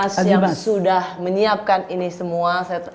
jadi mas yang sudah menyiapkan ini semua